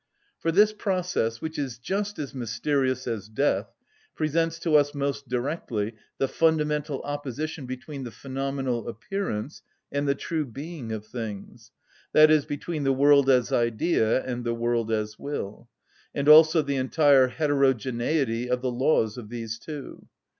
For this process, which is just as mysterious as death, presents to us most directly the fundamental opposition between the phenomenal appearance and the true being of things, i.e., between the world as idea and the world as will, and also the entire heterogeneity of the laws of these two.